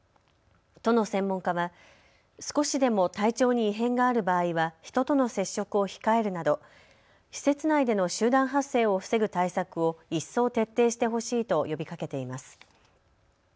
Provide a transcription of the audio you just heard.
都の専門家は少しでも体調に異変がある場合は人との接触を控えるなど施設内での集団発生を防ぐ対策を一層徹底してほしいと呼びかけています。